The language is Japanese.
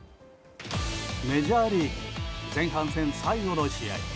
メジャーリーグ前半戦最後の試合。